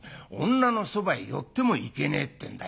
女のそばへ寄ってもいけねえってんだよ。